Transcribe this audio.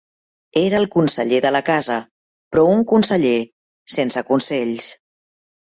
Era el conseller de la casa, però un conseller sense consells.